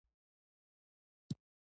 اړيکو بهترولو پېشنهاد وکړي.